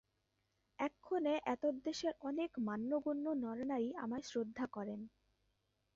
এক্ষণে এতদ্দেশের অনেক মান্যগণ্য নরনারী আমায় শ্রদ্ধা করেন।